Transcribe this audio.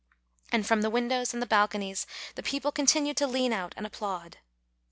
And from the windows and the balconies the people continued to lean out and applaud.